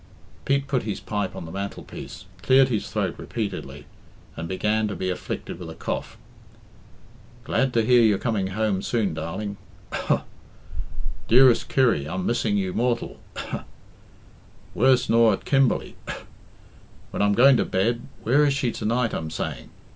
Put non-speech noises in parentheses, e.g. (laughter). Pete put his pipe on the mantelpiece, cleared his throat repeatedly, and began to be afflicted with a cough. "'Glad to hear you're coming home soon, darling. (coughs) Dearest Kirry, I'm missing you mortal, (coughs) worse nor at Kimberley. (coughs) When I'm going to bed, 'Where is she to night?' I'm saying.